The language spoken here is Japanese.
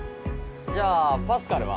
じゃあパスカルは？